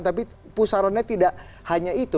tapi pusarannya tidak hanya itu